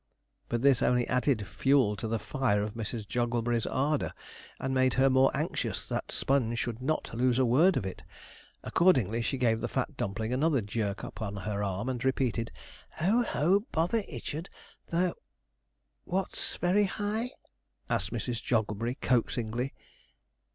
But this only added fuel to the fire of Mrs. Jogglebury's ardour, and made her more anxious that Sponge should not lose a word of it. Accordingly she gave the fat dumpling another jerk up on her arm, and repeated: 'O ho! bother Ichard, the What's very high?' asked Mrs. Jogglebury coaxingly.